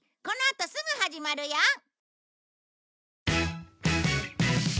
このあとすぐ始まるよ。